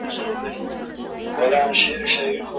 ایډیالوژي د تاریخ رښتینې بڼه خرابوي.